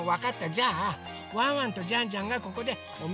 じゃあワンワンとジャンジャンがここでおみおくりをします。